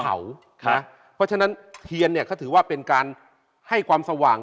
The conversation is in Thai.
เพราะฉะนั้นเทียนเนี่ยเขาถือว่าเป็นการให้ความสว่าง